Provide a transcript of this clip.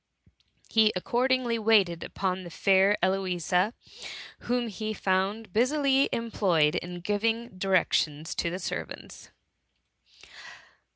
He accord ingly waited upon the fair Eloisa, whom he found busily employed in giving directions to the servants.